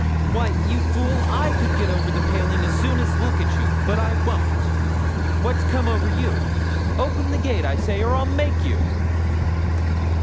'Why, you fool, I could get over the paling as soon as look at you, but I won't. What's come over you? Open the gate, I say, or I'll make you.'